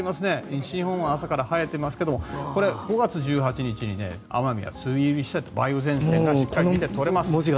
西日本は朝から晴れていますが５月１８日に奄美が梅雨入りして梅雨前線がしっかり見て取れます。